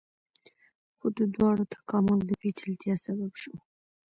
خو د دواړو تکامل د پیچلتیا سبب شو.